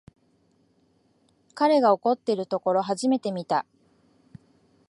彼が怒ってるところ初めて見た